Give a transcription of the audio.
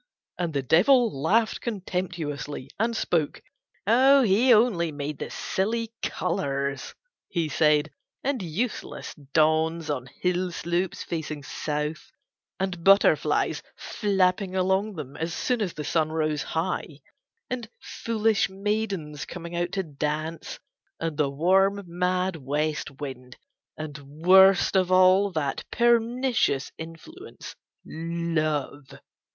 And the Devil laughed contemptuously and spoke. "He only made the silly colors," he said, "and useless dawns on hill slopes facing South, and butterflies flapping along them as soon as the sun rose high, and foolish maidens coming out to dance, and the warm mad West wind, and worst of all that pernicious influence Love."